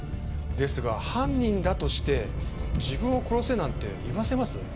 ですが犯人だとして自分を殺せなんて言わせます？